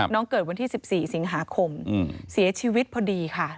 เกิดวันที่๑๔สิงหาคมเสียชีวิตพอดีค่ะ